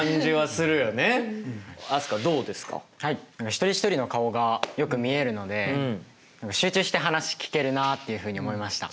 一人一人の顔がよく見えるので集中して話聞けるなっていうふうに思いました。